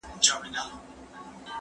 ما پرون د سبا لپاره د ليکلو تمرين وکړ